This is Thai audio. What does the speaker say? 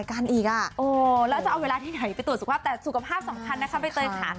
แล้วจะเอาเวลาที่ไหนไปตรวจสุขภาพแต่สุขภาพสำคัญนะคะใบเตยค่ะ